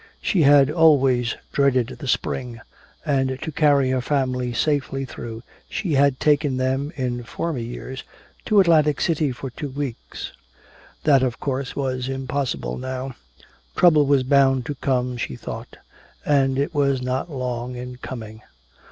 She had always dreaded the spring, and to carry her family safely through she had taken them, in former years, to Atlantic City for two weeks. That of course was impossible now. Trouble was bound to come, she thought. And it was not long in coming.